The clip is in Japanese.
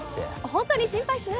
本当に心配しないで。